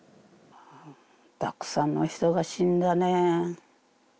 たくさんの人が死んだね。